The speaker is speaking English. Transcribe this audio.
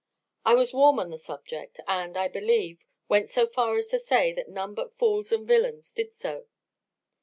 I was warm on the subject, and, I believe, went so far as to say that none but fools and villains did so.